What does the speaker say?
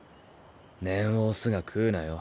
念を押すが食うなよ。